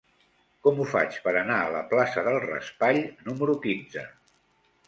Com ho faig per anar a la plaça del Raspall número quinze?